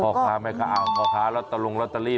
พ่อคะแม่คะพ่อคะรัฐรุงรัฐรี้